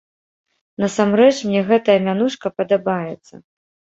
Насамрэч мне гэтая мянушка падабаецца.